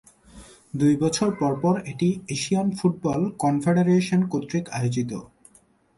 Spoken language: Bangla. দুই বছর পরপর এটি এশিয়ান ফুটবল কনফেডারেশন কর্তৃক আয়োজিত।